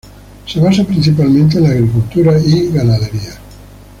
Se basa principalmente el la agricultura y ganadería.